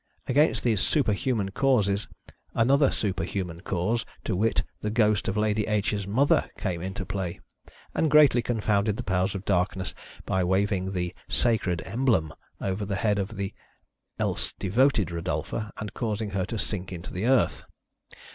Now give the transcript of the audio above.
Against these superhuman causes, another superhuman cause, to wit, the ghost of Lady H.'s mother, came into play, and greatly confounded the Powers of Darkness by waving the " sacred emblem " 172 THE AMUSEMENTS OF THE PEOPLE. over the head of the else devoted Eodolpha, and causing her to sink into the earth.